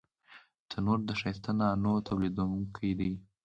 تنور د ښایسته نانو تولیدوونکی دی